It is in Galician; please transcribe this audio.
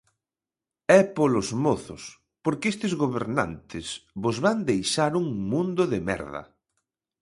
É polos mozos, porque estes gobernantes vos van deixar un mundo de merda.